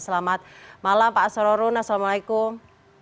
selamat malam pak asrorun assalamualaikum